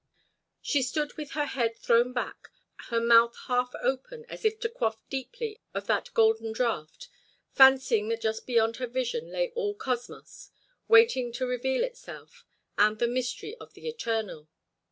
She stood with her head thrown back, her mouth half open as if to quaff deeply of that golden draught, fancying that just beyond her vision lay all cosmos waiting to reveal itself and the mystery of the eternal.